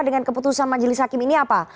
dengan keputusan majelis hakim ini apa